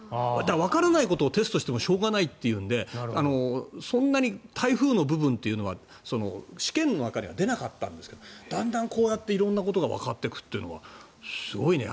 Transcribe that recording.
わからないことをテストしてもしょうがないというのでそんなに台風の部分というのは試験の中では出なかったんですけどだんだんこうやって色んなことがわかっていくのはすごいね。